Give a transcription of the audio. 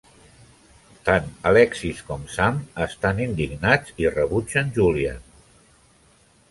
Tant Alexis com Sam estan indignats i rebutgen Julian.